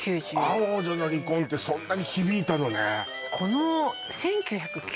アン王女の離婚ってそんなに響いたのね